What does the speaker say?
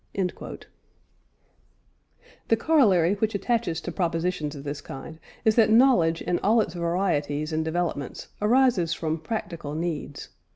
" The corollary which attaches to propositions of this kind is that knowledge in all its varieties and developments arises from practical needs.